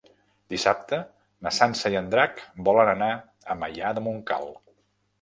Dissabte na Sança i en Drac volen anar a Maià de Montcal.